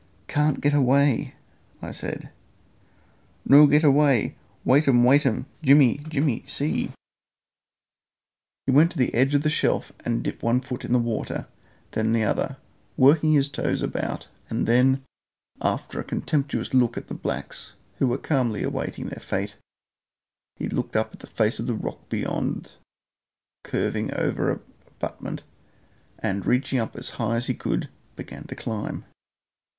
"Can't get away," I said. "No get way! Waitum, waitum! Jimmy Jimmy see!" He went to the edge of the shelf and dipped one foot in the water, then the other, worked his toes about, and then, after a contemptuous look at the blacks, who were calmly awaiting their fate, he looked up at the face of the rock beyond the curving over abutment, and, reaching up as high as he could, began to climb.